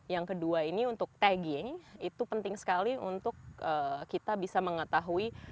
yang kedua ini untuk tagging itu penting sekali untuk kita bisa mengetahui